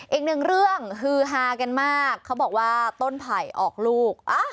อีกหนึ่งเรื่องฮือฮากันมากเขาบอกว่าต้นไผ่ออกลูก